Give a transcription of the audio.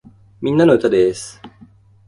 みんなの歌です